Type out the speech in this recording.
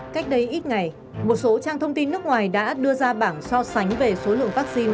cách đây ít ngày một số trang thông tin nước ngoài đã đưa ra bảng so sánh về số lượng vaccine